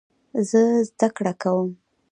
زه زده کړه کوم.